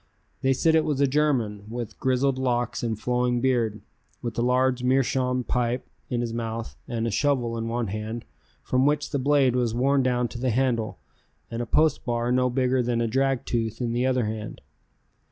They said it was a German with grizzled locks and flowing beard, with a large meerschaum pipe in his mouth and a shovel in one hand from which the blade was worn down to the handle and a post bar no bigger than a drag tooth in the other hand.